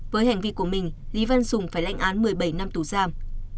với hành vi của mình lý văn sùng phải lãnh án một mươi bảy năm tù giam